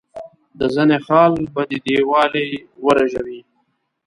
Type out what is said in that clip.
د زنه خال به دي دیوالۍ ورژوي.